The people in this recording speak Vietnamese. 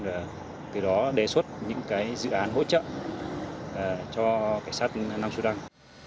và từ đó đề xuất những dự án hỗ trợ cho cảnh sát nam sô đăng